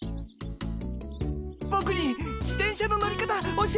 ボクに自転車の乗り方教えてください！